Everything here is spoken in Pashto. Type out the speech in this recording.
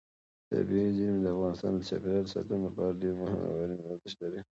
طبیعي زیرمې د افغانستان د چاپیریال ساتنې لپاره ډېر مهم او اړین ارزښت لري.